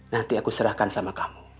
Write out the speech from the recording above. nanti aku serahkan sama kamu